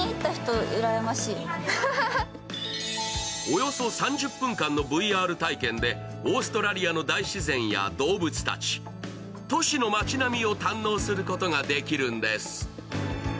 およそ３０分間のＶＲ体験でオーストラリアの大自然や動物たち、都市の町並みを堪能することができるんです。